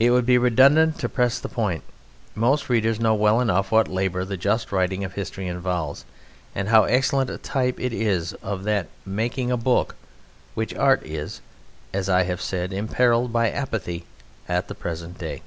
It would be redundant to press the point. Most readers know well enough what labour the just writing of history involves, and how excellent a type it is of that "making of a book" which art is, as I have said, imperilled by apathy at the present day.